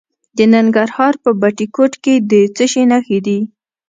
د ننګرهار په بټي کوټ کې د څه شي نښې دي؟